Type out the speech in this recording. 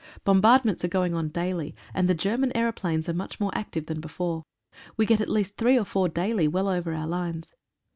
Bombard ments are going on daily, and the German aeroplanes are much more active than before. We get at least three or four daily, well over our lines.